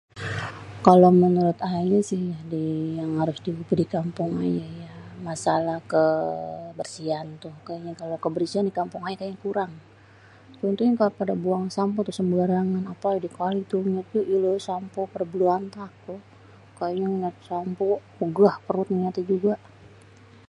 kalo menurut ayé méh si [ya] di yang harus di kampung ayé [ya] masalah ké bersihan tuh kayényé kebersihan di kampung ayé tuh kurang, itu kalo buang sampéh sembarangan apélagi di kali tuh sampéh padé bélantak, kayényé ngéliat sampéh ogah perlu ngeliatnyé juga.